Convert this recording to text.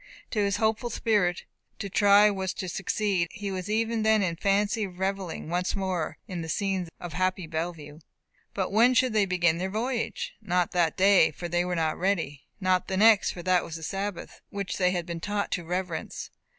To his hopeful spirit, to try was to succeed; and he was even then in fancy revelling once more in the scenes of happy Bellevue. But when should they begin their voyage? Not that day, for they were not ready. Not the next, for that was the Sabbath, which they had been taught to reverence.